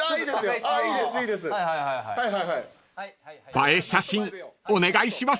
［映え写真お願いします］